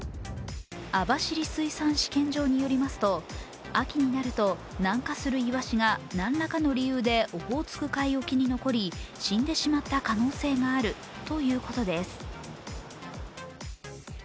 網走水産試験場によりますと秋になると南下するイワシがなんらかの理由でオホーツク海沖に残り死んでしまった可能性があるということです。